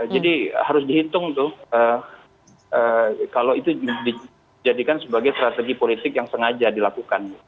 jadi harus dihitung tuh kalau itu dijadikan sebagai strategi politik yang sengaja dilakukan